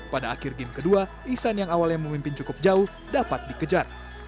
pada akhir game kedua ihsan yang awalnya memimpin cukup jauh dapat dikejar